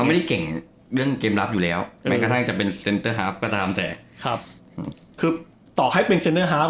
ไม่ได้เก่งเรื่องเกมรับอยู่แล้วแม้กระทั่งจะเป็นเซ็นเตอร์ฮาฟก็ตามแต่ครับคือต่อให้เป็นเซ็นเตอร์ฮาร์ฟ